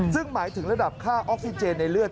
ซึ่งหมายถึงระดับค่าออกซิเจนในเลือด